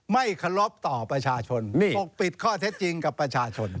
ไม่เคารพต่อประชาชนปกปิดข้อเท็จจริงกับประชาชน